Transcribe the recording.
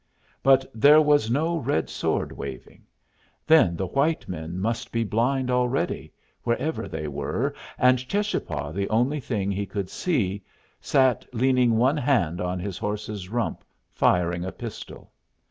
But there was no red sword waving. Then the white men must be blind already, wherever they were, and Cheschapah, the only thing he could see, sat leaning one hand on his horse's rump firing a pistol.